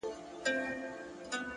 وړتیا له تمرین سره غوړیږي.